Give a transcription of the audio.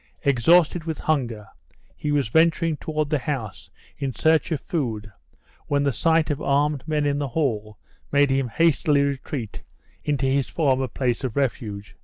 Exhausted with hunger, he was venturing toward the house in search of food, when the sight of armed men in the hall made him hastily retreat into his former place of refuge.